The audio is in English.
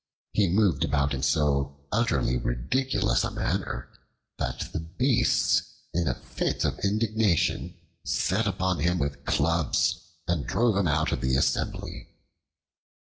He moved about in so utterly ridiculous a manner that the Beasts, in a fit of indignation, set upon him with clubs and drove him out of the assembly.